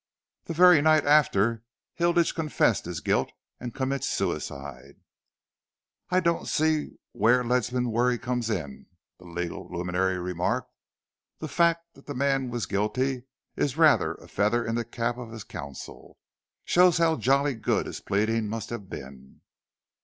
The very night after, Hilditch confesses his guilt and commits suicide." "I still don't see where Ledsam's worry comes in," the legal luminary remarked. "The fact that the man was guilty is rather a feather in the cap of his counsel. Shows how jolly good his pleading must have been."